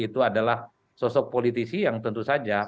itu adalah sosok politisi yang tentu saja